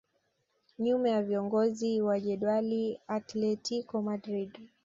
Nyuma ya viongozi wa jedwali Atletico Madrid